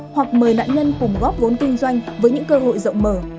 hoặc mời nạn nhân cùng góp vốn kinh doanh với những cơ hội rộng mở